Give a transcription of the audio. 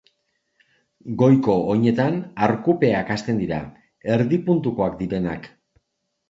Goiko oinetan arkupeak hasten dira, erdi-puntukoak direnak.